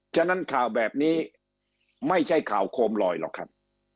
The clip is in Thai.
ฉะนั้นข่าวแบบนี้ไม่ใช่ข่าวโคมลอยหรอกครับ